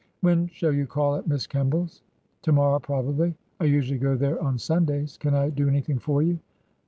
" When shall you call at Miss Kemball's ?"" To morrow, probably. I usually go there on Sun days. Can I do anything for you